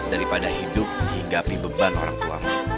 daripada hidup hingga pimeban orang tuamu